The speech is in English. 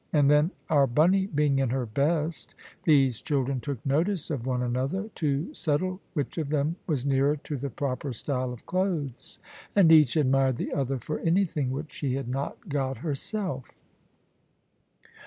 And then, our Bunny being in her best, these children took notice of one another, to settle which of them was nearer to the proper style of clothes. And each admired the other for anything which she had not got herself.